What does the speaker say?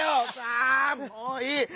あもういい！